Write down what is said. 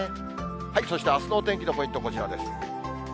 そして、あすのお天気のポイント、こちらです。